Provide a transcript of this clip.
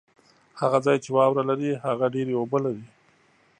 هغه ځای چې واوره لري ، هغه ډېري اوبه لري